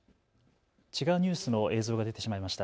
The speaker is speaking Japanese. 違うニュースの映像が出てしまいました。